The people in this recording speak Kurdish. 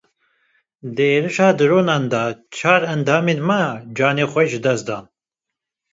Di êrişa dronan de çar endamên me canê xwe ji dest dan.